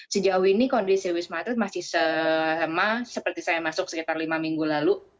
sejauh ini kondisi wisma atlet masih sama seperti saya masuk sekitar lima minggu lalu